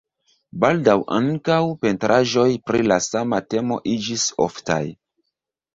Baldaŭ ankaŭ pentraĵoj pri la sama temo iĝis oftaj.